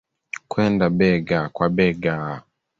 kwenda bega kwa bega